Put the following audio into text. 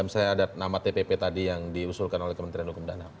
misalnya ada nama tpp tadi yang diusulkan oleh kementerian hukum dan ham